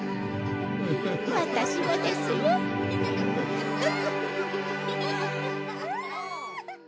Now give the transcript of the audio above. わたしもですよふふふ。